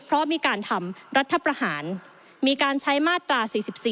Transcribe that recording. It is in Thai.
เพราะมีการทำรัฐประหารมีการใช้มาตรา๔๔